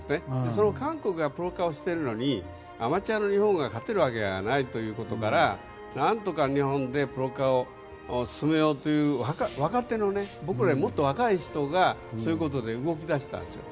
その韓国がプロ化をしているのにアマチュアの日本が勝てるわけがないということからなんとか日本でプロ化を進めようという若手の僕らよりもっと若い人がそういうことで動き出したんですよ。